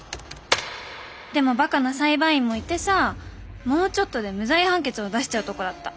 でもばかな裁判員もいてさもうちょっとで無罪判決を出しちゃうとこだった。